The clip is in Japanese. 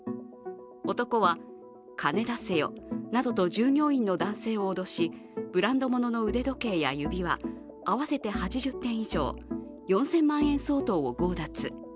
男は、「金出せよ」などと従業員の男性を脅しブランドものの腕時計や指輪合わせて８０店以上、４０００万円相当を強奪。